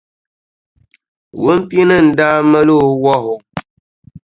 Wumpini n-daa mali o wahu.